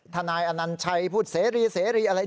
ท่านนายอาหารชัยพูดเสรีอะไร